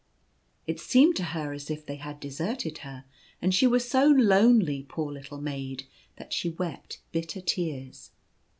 It seemed to her as if they had deserted her, and she was so lonely, poor little maid, that she wept bitter tears.